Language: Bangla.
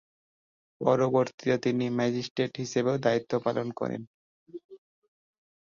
পরবর্তীতে তিনি ম্যাজিস্ট্রেট হিসেবেও দায়িত্ব পালন করেন।